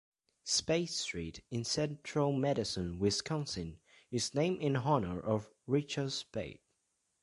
Spaight Street in central Madison, Wisconsin is named in honor of Richard Spaight.